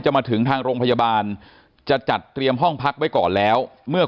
มาถึงทางโรงพยาบาลจะจัดเตรียมห้องพักไว้ก่อนแล้วเมื่อ